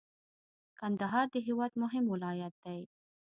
کندهار د هیواد مهم ولایت دی.